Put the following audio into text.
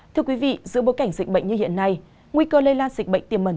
thưa quý vị giữa bối cảnh dịch bệnh như hiện nay nguy cơ lây lan dịch bệnh tiềm mẩn